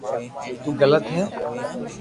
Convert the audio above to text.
تو غلط ھي